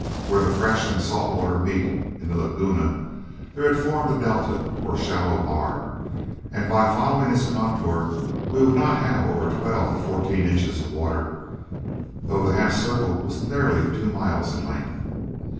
Where the fresh and salt water met in the laguna, there had formed a delta, or shallow bar; and by following its contour we would not have over twelve to fourteen inches of water, though the half circle was nearly two miles in length.